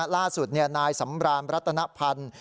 ล่าสุดนี่นายสำราญรัตนภัณฑ์